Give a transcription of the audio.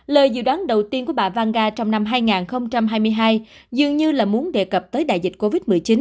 lời dự đoán đầu tiên của bà vang trong năm hai nghìn hai mươi hai dường như là muốn đề cập tới đại dịch covid một mươi chín